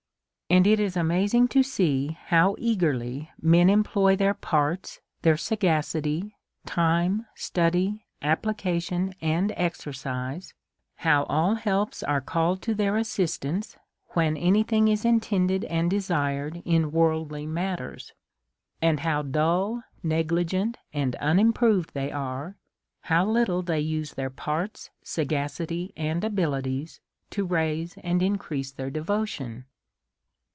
And it is amazing to see how eagerly men employ their parts, their sag acity, time, study, application, and exercise ; how all helps are called to their assist ance when any thing is intended and desired in world ly matters; and how dull, negligent, and unimproved they are, how little they use their parts, sagacity, and abilities, to raise and increase their devotion